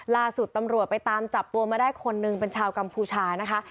ลาสุดตำรวจให้ติดประจำตัวมาได้คนหนึ่งเป็นชาวกัมภูชานะคะ